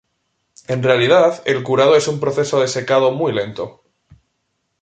En realidad, el curado es un proceso de secado muy lento.